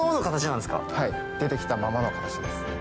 はい出て来たままの形です。